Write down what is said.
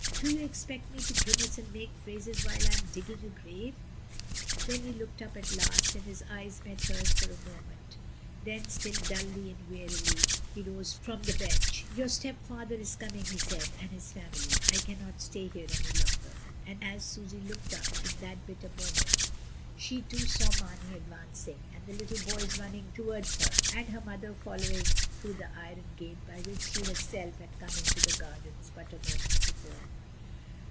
Do you expect me to grimace and make phrases while I am digging a grave?" Then he looked up at last, and his eyes met hers for one moment. Then, still dully and wearily, he rose from the bench. "Your stepfather is coming," he said, "and his family. I cannot stay here any longer." And as Susy looked up, in that bitter moment, SAYING "GOOD BYE." I4I she too saw Marney advancing, and the little boys running towards her, and her mother following through the iron gate by which she herself had come into the gardens but a moment before.